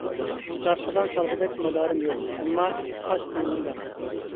داستىخان سالغۇدەك مادارىم يوق، ئەمما پاك كۆڭلۈم بار.